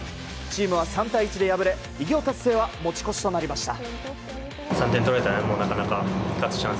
チームは３対１で敗れ偉業達成は持ち越しとなりました。